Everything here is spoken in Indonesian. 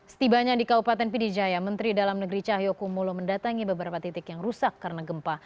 setibanya di kabupaten pidijaya menteri dalam negeri cahyokumolo mendatangi beberapa titik yang rusak karena gempa